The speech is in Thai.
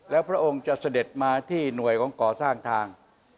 แล้วพระองค์จะเสด็จมาที่หน่วยของก่อสร้างทาง